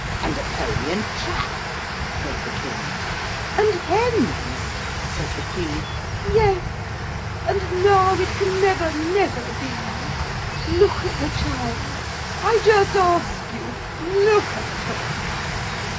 'And a pony and trap,' said the King. 'And hens,' said the Queen, 'yes. And now it can never, never be. Look at the child! I just ask you! Look at her!'